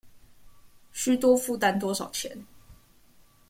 須多負擔多少錢